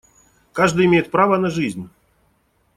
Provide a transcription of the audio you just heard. Каждый имеет право на жизнь.